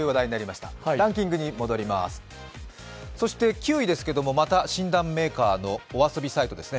９位ですけれども、また診断メーカーのお遊びサイトですね。